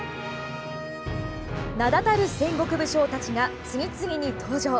名だたる戦国武将たちが次々に登場。